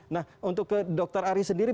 nah untuk ke dr ari sendiri